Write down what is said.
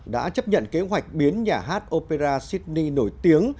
đã chấp nhận kế hoạch biến nhà hát opera sydney nổi tiếng